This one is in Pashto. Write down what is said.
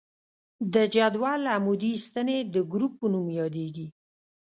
د جدول عمودي ستنې د ګروپ په نوم یادیږي.